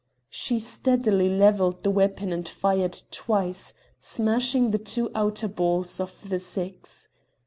She steadily levelled the weapon and fired twice, smashing the two outer balls of the six.